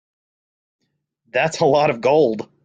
That's a lot of gold.